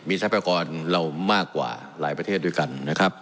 ทรัพยากรเรามากกว่าหลายประเทศด้วยกันนะครับ